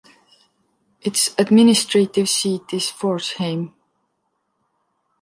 It’s administrative seat is Forchheim.